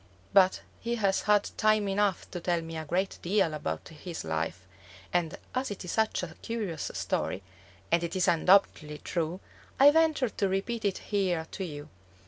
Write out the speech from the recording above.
But he has had time enough to tell me a great deal about his life, and as it is such a curious story, and is undoubtedly true, I venture to repeat it here to you.